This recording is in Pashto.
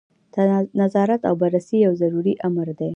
نظارت او بررسي یو ضروري امر دی.